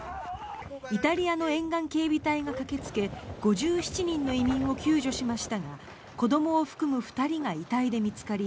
イタリアの沿岸警備隊が駆けつけ５７人の移民を救助しましたが子どもを含む２人が遺体で見つかり